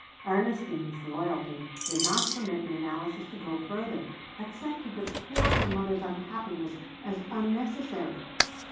Ernestine's loyalty did not permit the analysis to go further, except to deplore her mother's unhappiness as unnecessary.